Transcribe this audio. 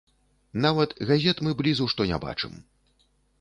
Нават газет мы блізу што не бачым.